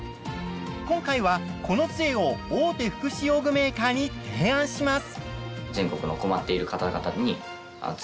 今回はこのつえを大手福祉用具メーカーに提案します。